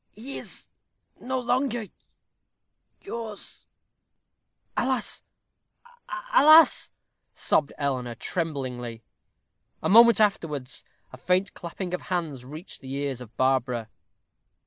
"He is no longer yours." "Alas! alas!" sobbed Eleanor, tremblingly. A moment afterwards a faint clapping of hands reached the ears of Barbara.